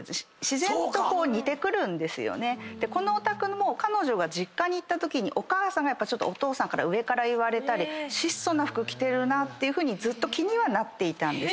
このお宅も彼女が実家に行ったときにお母さんがお父さんから上から言われたり質素な服着てるなってふうにずっと気にはなっていたんです。